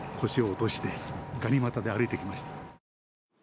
腰を落として、がに股で歩いてきました。